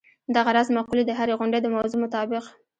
دغه راز مقولې د هرې غونډې د موضوع مطابق.